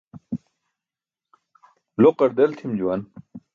Loqar del tʰim juwan.